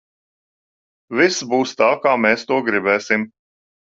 Viss būs tā, kā mēs to gribēsim!